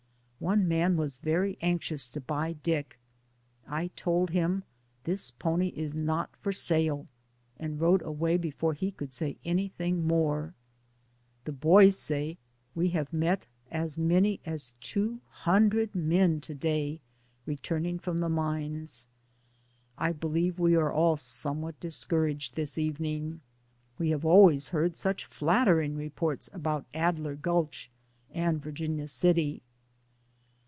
One man was very anxious to buy Dick. I told him : "This pony is not for sale," and rode away before he could say anything 244 DAYS ON THE ROAD. more. The boys say we have met as many as two hundred men to day returning from the mines. I beheve we are all somewhat discouraged this evening. We have always heard such flattering reports from Alder Gulch and Virginia City.